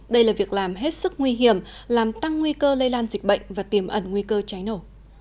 đây là việc làm hết sức nguy hiểm làm tăng nguy cơ lây lan dịch bệnh và tiềm ẩn nguy cơ cháy nổ